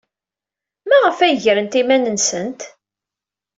Maɣef ay grent iman-nsent?